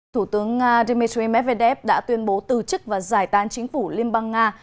thủ tướng nga dmitry medvedev đã tuyên bố từ chức và giải tán chính phủ liên bang nga